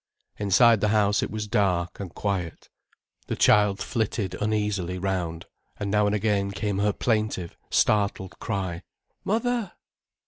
Inside the house it was dark, and quiet. The child flitted uneasily round, and now and again came her plaintive, startled cry: "Mother!"